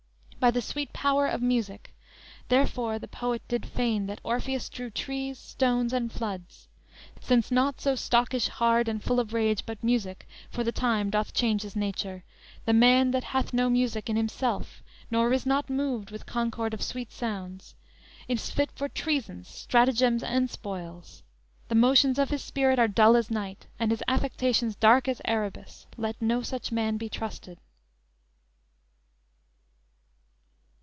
By the sweet power of music; therefore, the poet Did feign that Orpheus drew trees, stones and floods. Since naught so stockish, hard and full of rage But music for the time doth change his nature, The man that hath no music in himself Nor is not moved with concord of sweet sounds, Is fit for treasons, stratagems and spoils; The motions of his spirit are dull as night And his affections dark as Erebus; Let no such man be trusted."